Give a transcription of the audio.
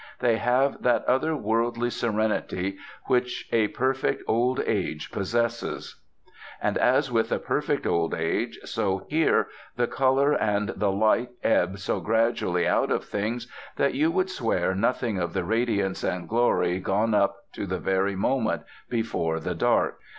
They have that other worldly serenity which a perfect old age possesses. And as with a perfect old age, so here, the colour and the light ebb so gradually out of things that you could swear nothing of the radiance and glory gone up to the very moment before the dark.